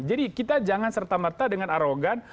jadi kita jangan serta merta dengan arogan